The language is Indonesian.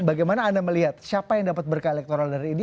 bagaimana anda melihat siapa yang dapat berkah elektoral dari ini